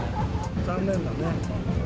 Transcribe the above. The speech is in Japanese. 残念だね。